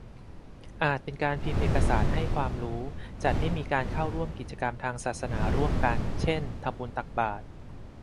อาจเป็นการพิมพ์เอกสารให้ความรู้ จัดให้มีการเข้าร่วมกิจกรรมทางศาสนาร่วมกัน เช่น ทำบุญตักบาตร